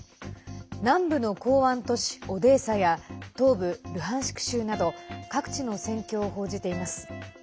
南部の港湾都市オデーサや東部ルハンシク州など各地の戦況を報じています。